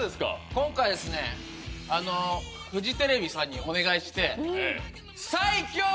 今回ですねフジテレビさんにお願いして。